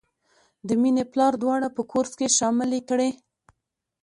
د مینې پلار دواړه په کورس کې شاملې کړې